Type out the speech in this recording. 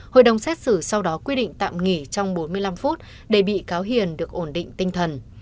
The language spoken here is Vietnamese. hội đồng xét xử sau đó quy định tạm nghỉ trong bốn mươi năm phút để bị cáo hiền được ổn định tinh thần